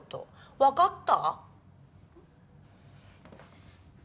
わかった？